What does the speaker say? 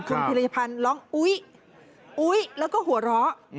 คุณพิรพันธ์ร้องอุ๊ยอุ๊ยแล้วก็หัวเราะ